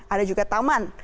ada juga taman